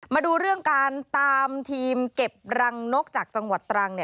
มาดูเรื่องการตามทีมเก็บรังนกจากจังหวัดตรัง